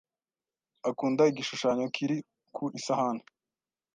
Akunda igishushanyo kiri ku isahani.